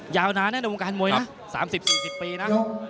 ยาวนานนะในวงการมวยนะ๓๐๔๐ปีนะ